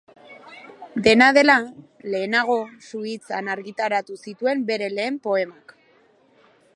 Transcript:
Dena dela, lehenago, Suitzan argitaratu zituen bere lehen poemak.